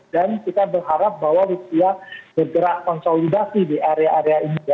dan kita berharap bahwa rupiah bergerak konsolidasi di area area ini